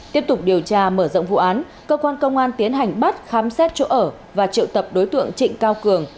tiếp tục điều tra mở rộng vụ án cơ quan công an tiến hành bắt khám xét chỗ ở và triệu tập đối tượng trịnh cao cường